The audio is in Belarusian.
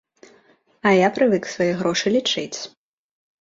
А я прывык свае грошы лічыць.